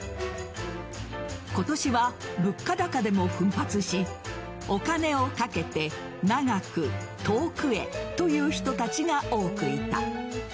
今年は物価高でも奮発しお金をかけて長く、遠くへという人たちが多くいた。